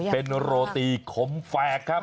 เป็นโรตีขมแฝกครับ